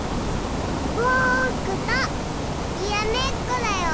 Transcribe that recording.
ぼくとにらめっこだよ！